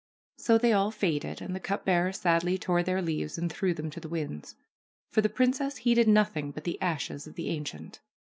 So they all faded and the cup bearer sadly tore their leaves and threw them to the winds. For the princess heeded noth ing but the ashes of the ancient.